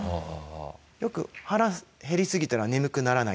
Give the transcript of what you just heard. よく腹減りすぎたら眠くならない。